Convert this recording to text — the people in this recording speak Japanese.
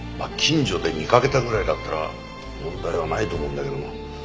近所で見かけたぐらいだったら問題はないと思うんだけど。